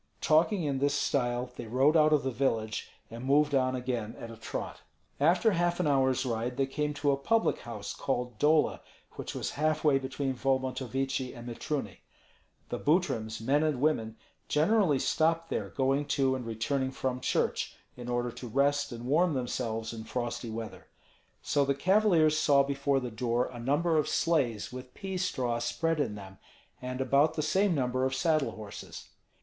Talking in this style, they rode out of the village and moved on again at a trot. After half an hour's ride they came to a public house called Dola, which was half way between Volmontovichi and Mitruny. The Butryms, men and women, generally stopped there going to and returning from church, in order to rest and warm themselves in frosty weather. So the cavaliers saw before the door a number of sleighs with pea straw spread in them, and about the same number of saddle horses.